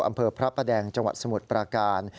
อำเภอพระประแดงจังหวัดสมุทรปราการ